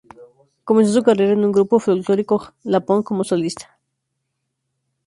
Comenzó su carrera en un grupo folclórico lapón como solista.